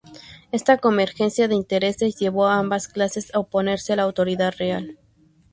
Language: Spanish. Esta convergencia de intereses llevo a ambas clases a oponerse a la autoridad real.